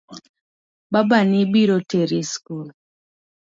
Babani biro teri e school .